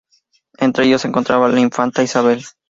Entre ellos se encontraba el "Infanta Isabel".